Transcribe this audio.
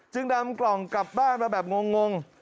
จึงดำกล่องกลับบ้านมาแบบยังลง